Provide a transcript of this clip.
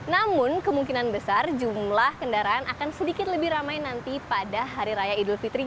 namun kemungkinan besar jumlah kendaraan akan sedikit lebih ramai nanti pada hari raya idul fitri